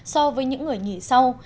so với những người nghỉ sau